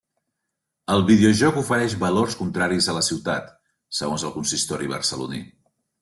El videojoc ofereix valors contraris a la ciutat, segons el consistori barceloní.